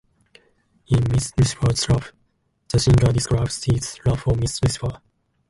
In Miss Lucifer's Love, the singer describes his love for Miss Lucifer.